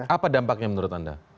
apa dampaknya menurut anda